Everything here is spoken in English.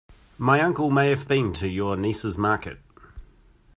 My uncle may have been to your niece's market.